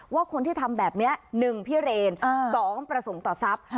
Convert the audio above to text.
ว่าคนที่ทำแบบนี้๑พิเรน๒ประสงค์ต่อทรัพย์